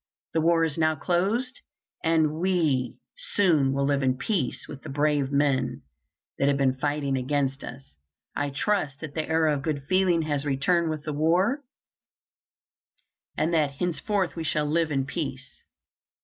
The war is now closed, and we soon will live in peace with the brave men that have been fighting against us. I trust that the era of good feeling has returned with the war, and that henceforth we shall live in peace.